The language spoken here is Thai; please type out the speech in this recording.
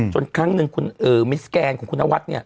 จนครั้งนึงคุณเอ่อมิสแกนคุณนวัฒน์เนี่ย